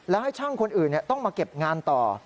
แล้วให้ช่างคนอื่นต้องมาเก็บงานต่อ